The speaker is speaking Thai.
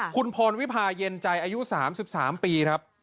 คุณพรวิพาะเย็นใจอายุ๓๓ปี